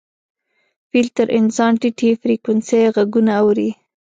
فیل تر انسان ټیټې فریکونسۍ غږونه اوري.